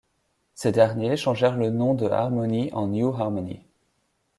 Ces derniers changèrent le nom de Harmony en New Harmony.